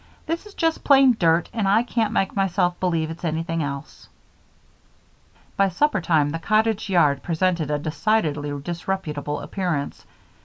This is just plain dirt and I can't make myself believe it's anything else." By supper time the cottage yard presented a decidedly disreputable appearance.